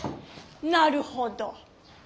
なるほど！